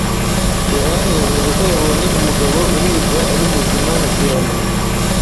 yohani yavuze ko yabonye umugabo uribwa ari muzima na piranhas.